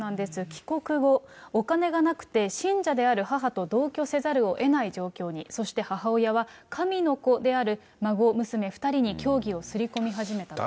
帰国後、お金がなくて、信者である母と同居せざるをえない状況に、そして母親は神の子である孫娘２人に、教義を刷り込み始めたと。